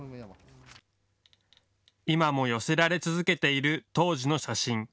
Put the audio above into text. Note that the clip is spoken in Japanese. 今も寄せられ続けている当時の写真。